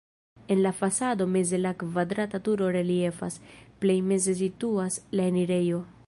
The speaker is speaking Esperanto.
En la fasado meze la kvadrata turo reliefas, plej meze situas la enirejo.